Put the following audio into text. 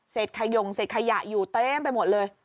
ขยงเศษขยะอยู่เต็มไปหมดเลย